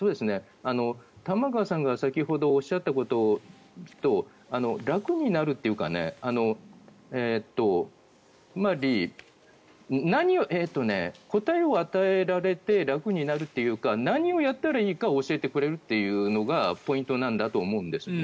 玉川さんが先ほどおっしゃったこと楽になるというかつまり、答えを与えられて楽になるというか何をやったらいいかを教えてくれるというのがポイントなんだと思うんです。